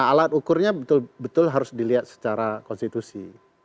alat ukurnya betul betul harus dilihat secara konstitusi